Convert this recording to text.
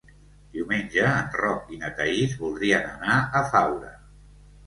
Diumenge en Roc i na Thaís voldrien anar a Faura.